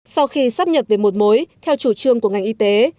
sau khi sắp nhập về một mối theo chủ trương của ngành y tế